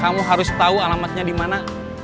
kamu harus tahu alamatnya dimana